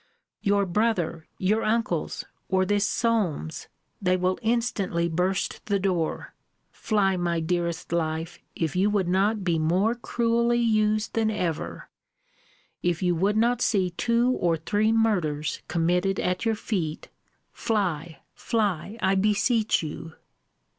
Your brother! your uncles! or this Solmes! they will instantly burst the door fly, my dearest life, if you would not be more cruelly used than ever if you would not see two or three murders committed at your feet, fly, fly, I beseech you.